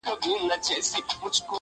یمه او که نه یم په نامه به د جانان یمه -